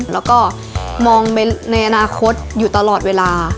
แล้วก็มองในอนาคตอยู่ตลอดเวลา